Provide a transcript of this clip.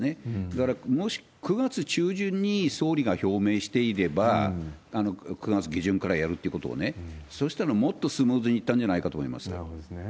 だから、もし９月中旬に総理が表明していれば、９月下旬からやるということをね、そうしたら、もっとスムーズにいったんじゃないかと思いますよ。